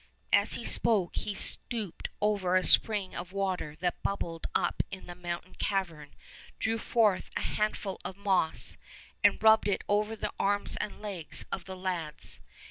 As he spoke he stooped over a spring of water that bubbled up in the mountain cavern, drew forth a handful of moss, and rubbed it over the arms and legs of the lads.